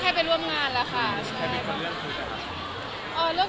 ใช่คือเห็นแล้วเราก็งงเราหมดมัน